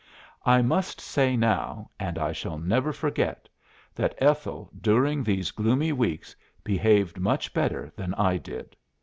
"I must say now, and I shall never forget, that Ethel during these gloomy weeks behaved much better than I did.